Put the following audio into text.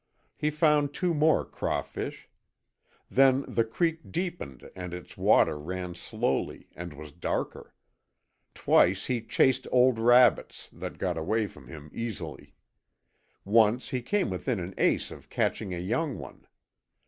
He found two more crawfish. Then the creek deepened and its water ran slowly, and was darker. Twice he chased old rabbits, that got away from him easily. Once he came within an ace of catching a young one.